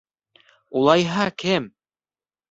Улайһа, кем?